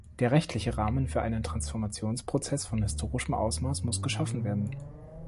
Der rechtliche Rahmen für einen Transformationsprozess von historischem Ausmaß muss geschaffen werden.